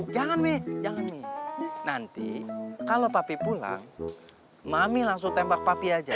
jangan nih jangan nih nanti kalau papi pulang mami langsung tembak papi aja